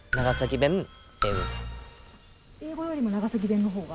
英語よりも長崎弁の方が？